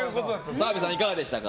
澤部さん、いかがでしたか？